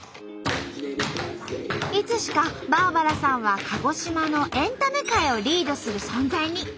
いつしかバーバラさんは鹿児島のエンタメ界をリードする存在に。